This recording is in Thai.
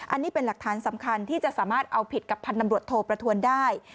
อันนี้เป็นหลักฐานสำคัญที่จะสามารถเอาผิดกับพันธ์ตำรวจโทประทวนได้